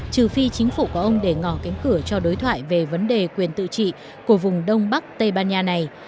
trừ phi chính phủ của ông để ngỏ cánh cửa cho đối thoại về vấn đề quyền tự trị của vùng đông bắc tây ban nha này